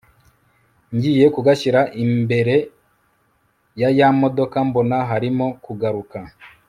ngiye kugashyira imbere ya ya modoka mbona barimo kugaruka